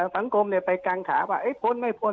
สังคมเนี่ยไปกางขาว่าเอ๊ะพ้นไม่พ้น